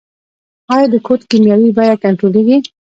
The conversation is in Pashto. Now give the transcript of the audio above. آیا د کود کیمیاوي بیه کنټرولیږي؟